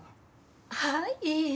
はい。